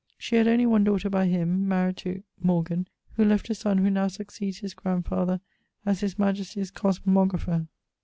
She had only one daughter by him, maried to ... Morgan, who left a son who now suceeds his grandfather as his majestie's cosmographer.